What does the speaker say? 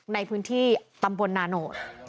ในพื้นที่ตำบลนาโนต